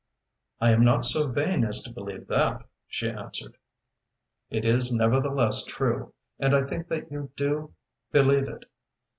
"I am not so vain as to believe that," she answered. "It is nevertheless true and I think that you do believe it.